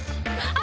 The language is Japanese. あ。